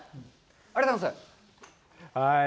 ありがとうございます。